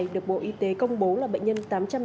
được bộ y tế công bố là bệnh nhân tám trăm sáu mươi bảy